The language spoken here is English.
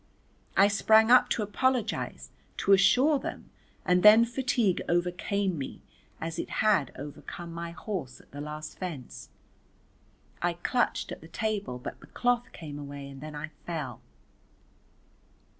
I sprang up to apologise, to assure them and then fatigue overcame me as it had overcome my horse at the last fence, I clutched at the table but the cloth came away and then I fell.